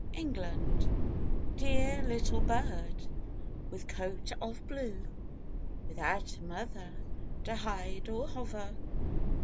THE BLUETTE Dear little bird with coat of blue, Without a mother, To hide or hover.